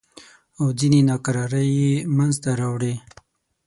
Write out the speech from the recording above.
او ځینې ناکرارۍ یې منځته راوړې.